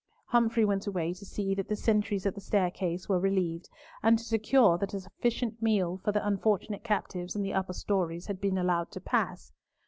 Humfrey went away to see that the sentries at the staircase were relieved, and to secure that a sufficient meal for the unfortunate captives in the upper stories had been allowed to pass.